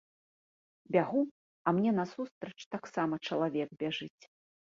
Бягу, а мне насустрач таксама чалавек бяжыць.